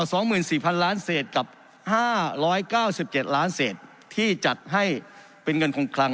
สองหมื่นสี่พันล้านเศษกับห้าร้อยเก้าสิบเจ็ดล้านเศษที่จัดให้เป็นเงินคงคลัง